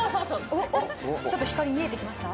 ちょっと光が見えてきました？